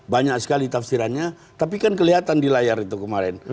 banyak sekali tafsirannya tapi kan kelihatan di layar itu kemarin